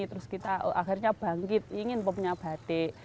terus kita akhirnya bangkit ingin mempunyai batik